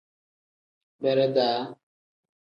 Beredaa.